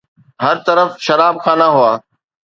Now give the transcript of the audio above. هر طرف شراب خانا هئا.